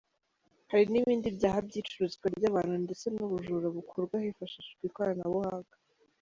Hari n’ibindi byaha by’icuruzwa ry’abantu ndetse n’ubujura bukorwa hifashishijwe ikoranabuhanga.